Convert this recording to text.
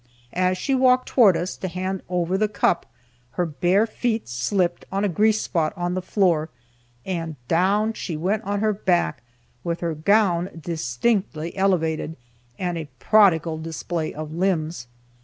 As she walked towards us to hand over the cup, her bare feet slipped on a grease spot on the floor, and down she went on her back, with her gown distinctly elevated, and a prodigal display of limbs.